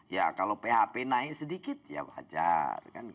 ya kalau php naik sedikit ya wajar